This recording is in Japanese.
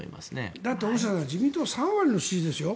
だって大下さん自民党、３割の支持ですよ。